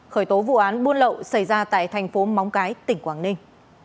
khởi tố vụ án buôn lậu xảy ra tại tp móng cái tỉnh quảng ninh